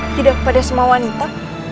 tidak pada semua wanita